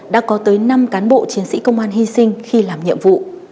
đã có tới năm cán bộ chiến sĩ công an hy sinh khi làm nhiệm vụ